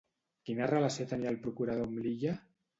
Quina relació tenia el procurador amb l'illa?